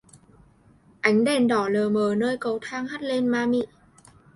Anh đèn đỏ lờ mở nơi cầu thang hắt lên ma mị